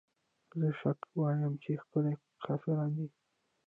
زه شکه وايمه چې ښکلې کافران دي